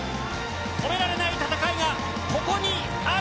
止められない戦いがここにある！